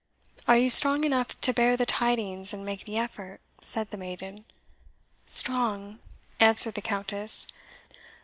"Are you strong enough to bear the tidings, and make the effort?" said the maiden. "Strong!" answered the Countess.